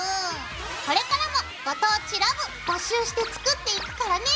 これからも「ご当地ＬＯＶＥ」募集して作っていくからね！